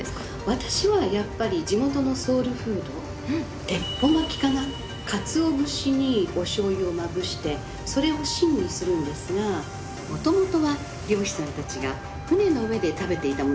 私はやっぱり地元のソウルフードかつお節におしょうゆをまぶしてそれを芯にするんですがもともとは漁師さんたちが船の上で食べていたものだそうです。